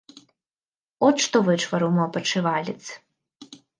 От што вычварыў мой падшывалец.